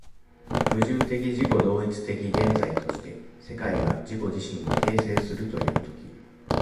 矛盾的自己同一的現在として、世界が自己自身を形成するという時、